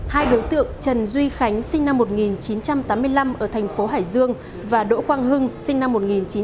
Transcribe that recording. hai đối tượng trần duy khánh sinh năm một nghìn chín trăm tám mươi năm ở thành phố hải dương và đỗ quang hưng sinh năm một nghìn chín trăm tám mươi